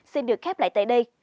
xin được khép lại tại đây